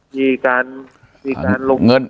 มีการลง